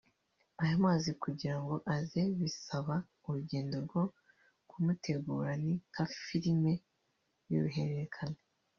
aya mazi kugira ngo aze bisaba urugendo rwo kumutegura ni nka film y’uruhererekane